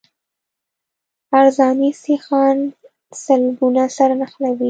عرضاني سیخان سلبونه سره نښلوي